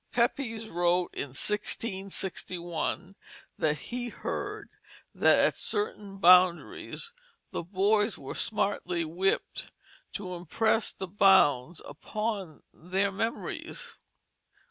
Pepys wrote in 1661 that he heard that at certain boundaries the boys were smartly whipped to impress the bounds upon their memories.